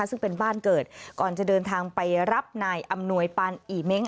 ซึ่งเป็นบ้านเกิดก่อนจะเดินทางไปรับนายอำนวยปานอีเม้ง